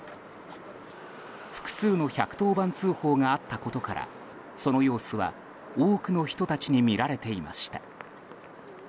複数の１１０番通報があったことからその様子は多くの人たちに見られていました。